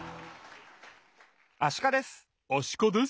アシカです。